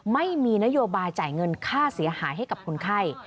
ไม่มีนโยบายจ่ายเงินค่าเสียหายให้กับคนไข้